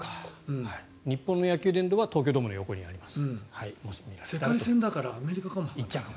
日本の野球殿堂は東京ドームの横にあります。